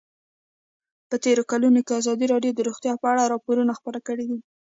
په تېرو کلونو کې ازادي راډیو د روغتیا په اړه راپورونه خپاره کړي دي.